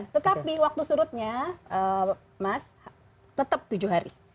tetapi waktu surutnya mas tetap tujuh hari